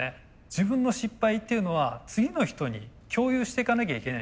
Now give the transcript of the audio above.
自分の失敗っていうのは次の人に共有していかなきゃいけないんですよね。